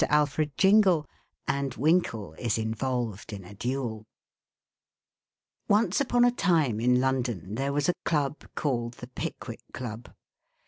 ALFRED JINGLE, AND WINKLE IS INVOLVED IN A DUEL Once upon a time, in London, there was a club called "The Pickwick Club."